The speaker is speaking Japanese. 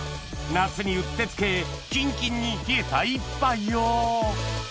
夏にうってつけキンキンに冷えた１杯を！